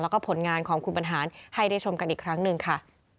แล้วก็ผลงานของคุณบรรหารให้ได้ชมกันอีกครั้งหนึ่งค่ะ